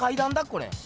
これ。